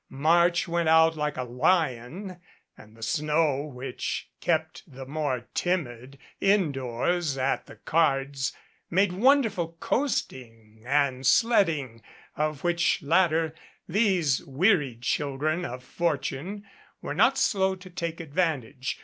March went out like a lion and the snow which kept the more timid indoors at the cards made wonderful coasting and sledding, of which latter these wearied children of fortune were not slow to take advantage.